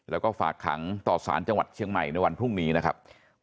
แล้วก็ฝากขังต่อสารจังหวัดเชียงใหม่ในวันพรุ่งนี้นะครับ